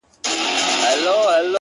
نو خود به اوس ورځي په وينو رنگه ككــرۍ،